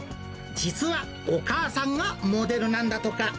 実はお母さんがモデルなんだとか。